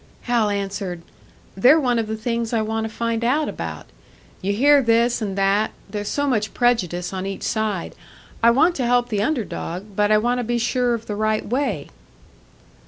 Hal answered, "They're one of the things I want to find out about. You hear this and that there's so much prejudice on each side. I want to help the under dog, but I want to be sure of the right way."